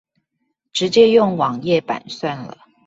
直接用網頁版算了